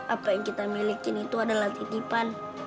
apa yang kita miliki itu adalah titipan